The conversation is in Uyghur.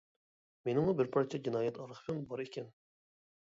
مېنىڭمۇ بىر پارچە «جىنايەت ئارخىپىم» بار ئىكەن.